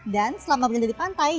dan selama berada di pantai